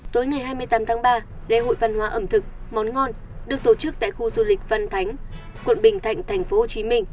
tối ngày hai mươi tám tháng ba lễ hội văn hóa ẩm thực món ngon được tổ chức tại khu du lịch văn thánh quận bình thạnh tp hcm